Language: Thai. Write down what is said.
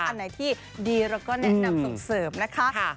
อันไหนที่ดีเราก็แนะนำส่งเสริมนะคะ